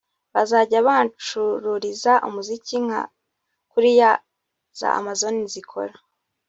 bazajya bancururiza umuziki nka kuriya za Amazon zikora